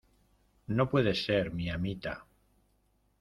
no puede ser, mi amita: